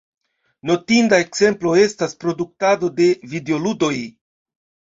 Notinda ekzemplo estas produktado de videoludoj.